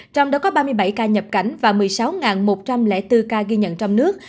trong đó có ba mươi bảy ca nhập cảnh và một mươi sáu một trăm linh bốn ca ghi nhận trong nước